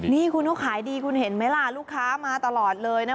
นี่คุณเขาขายดีคุณเห็นไหมล่ะลูกค้ามาตลอดเลยนะ